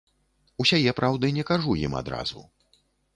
Усяе праўды не кажу ім адразу.